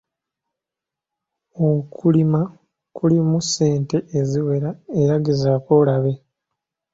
Okulima kulimu ssente eziwera era gezaako olabe.